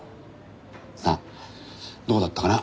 さあどこだったかな？